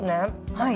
はい。